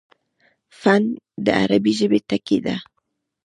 فن: د عربي ژبي ټکی دﺉ.